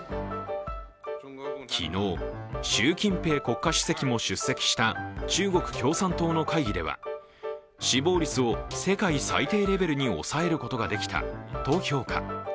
昨日、習近平国家主席も出席した中国共産党の会議では死亡率を世界最低レベルに抑えることができたと評価。